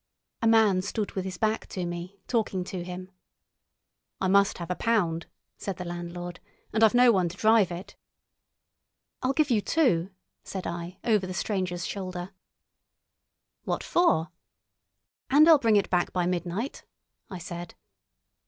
A man stood with his back to me, talking to him. "I must have a pound," said the landlord, "and I've no one to drive it." "I'll give you two," said I, over the stranger's shoulder. "What for?" "And I'll bring it back by midnight," I said.